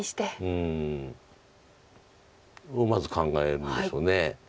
うん。をまず考えるんでしょう。